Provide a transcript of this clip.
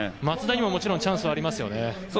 松田にも、もちろんチャンスはありますよね。